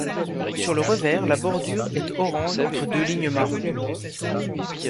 Sur le revers la bordure est orange entre deux lignes marron.